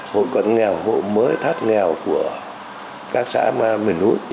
hội quận nghèo hộ mới thắt nghèo của các xã miền núi